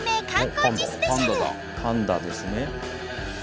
パンダですね。